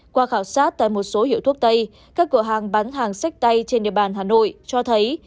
qua khảo sát tại một số hiệu thuốc tây các cửa hàng bán hàng sách tay trên địa bàn hà nội cho thấy